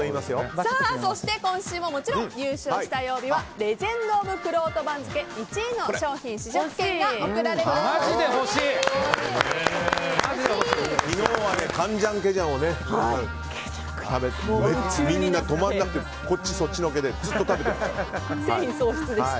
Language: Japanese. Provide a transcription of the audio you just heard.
そして、今週ももちろん優勝した曜日はレジェンド・オブ・くろうと番付１位の商品食事券が贈られます。